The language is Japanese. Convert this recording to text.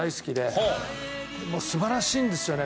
もう素晴らしいんですよね